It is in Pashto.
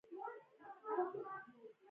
هوښیار سړی یې تر خپلو پښو لاندې لټوي.